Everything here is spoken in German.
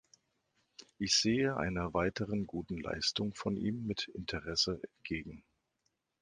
Ich sehe einer weiteren guten Leistung von ihm mit Interesse entgegen.